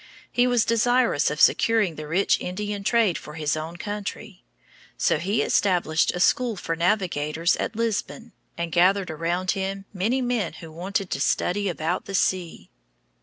He was desirous of securing the rich Indian trade for his own country. So he established a school for navigators at Lisbon, and gathered around him many men who wanted to study about the sea.